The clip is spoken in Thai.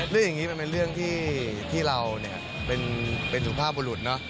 เรื่องนี้มันเป็นเรื่องที่เราเป็นสุภาพบุรุษเนอะ